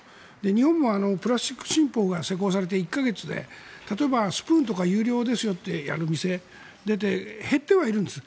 日本もプラスチック新法が施行されて１か月で例えば、スプーンとか有料ですよとやる店が出て減ってはいるんです。